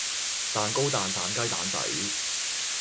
蛋糕蛋散雞蛋仔